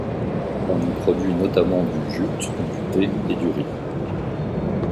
On y produit notamment du jute, du thé, et du riz.